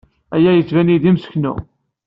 Aya yettban-iyi-d d imseknu.